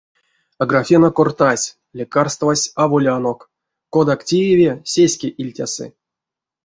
Аграфена кортась, лекарствась аволь анок, кодак тееви, сеске ильтясы.